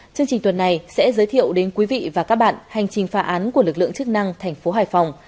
chương trình tuần này sẽ giới thiệu đến quý vị và các bạn hành trình phá án của lực lượng chức năng thành phố hải phòng